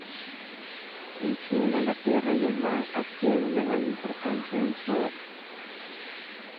El cielo, la tierra y el mar, adquieren una gran importancia en su obra.